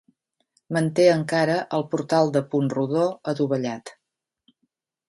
Manté encara el portal de punt rodó, adovellat.